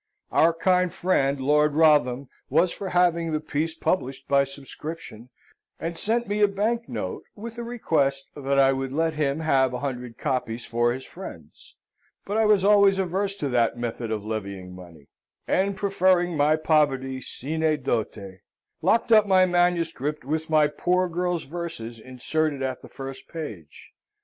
Our kind friend Lord Wrotham was for having the piece published by subscription, and sent me a bank note, with a request that I would let him have a hundred copies for his friends; but I was always averse to that method of levying money, and, preferring my poverty sine dote, locked up my manuscript, with my poor girl's verses inserted at the first page.